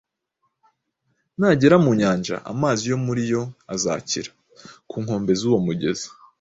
nagera mu nyanja, amazi yo muri yo azakira…Ku nkombe z ‘uwo mugezi,